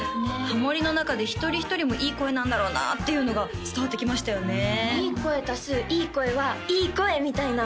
ハモリの中で一人一人もいい声なんだろうなっていうのが伝わってきましたよねいい声足すいい声はいい声！みたいな？